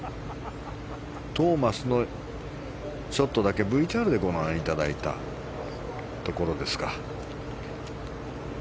トーマスのショットだけＶＴＲでご覧いただいたところですか。